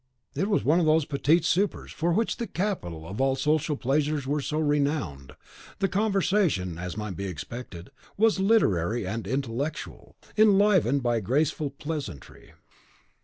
It was one of those petits soupers for which the capital of all social pleasures was so renowned. The conversation, as might be expected, was literary and intellectual, enlivened by graceful pleasantry.